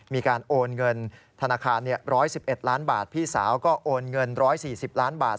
มีการโอนเงินธนาคาร๑๑๑ล้านบาทพี่สาวก็โอนเงิน๑๔๐ล้านบาท